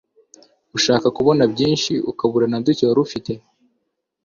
ushaka kubona byinshi ukabura naduke wari ufite